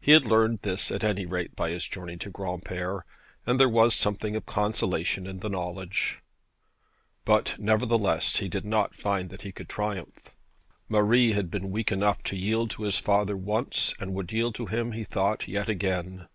He had learned this at any rate by his journey to Granpere, and there was something of consolation in the knowledge. But, nevertheless, he did not find that he could triumph. Marie had been weak enough to yield to his father once, and would yield to him, he thought, yet again.